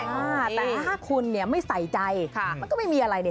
แต่ถ้าคุณไม่ใส่ใจมันก็ไม่มีอะไร